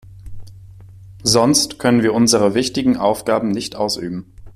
Sonst können wir unsere wichtigen Aufgaben nicht ausüben.